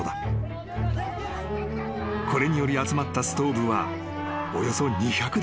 ［これにより集まったストーブはおよそ２００台］